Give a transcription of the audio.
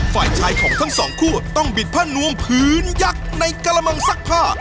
ฝ่ายชายของทั้งสองคู่ต้องบิดผ้านวมพื้นยักษ์ในกระมังซักผ้า